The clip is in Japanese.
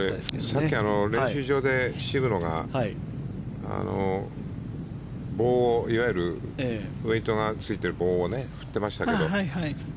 さっき、練習場で渋野がいわゆるウエートがついている棒を振っていましたけど。